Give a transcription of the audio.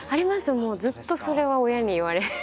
もうずっとそれは親に言われ。